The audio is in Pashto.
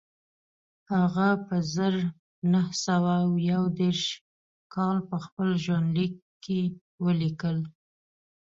هغه په زر نه سوه یو دېرش کال په خپل ژوندلیک کې ولیکل